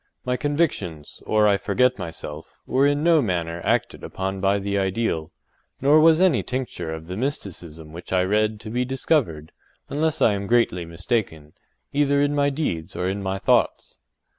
My convictions, or I forget myself, were in no manner acted upon by the ideal, nor was any tincture of the mysticism which I read to be discovered, unless I am greatly mistaken, either in my deeds or in my thoughts.